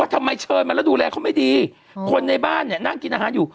ทำไมเชิญมาแล้วดูแลเขาไม่ดีคนในบ้านเนี่ยนั่งกินอาหารอยู่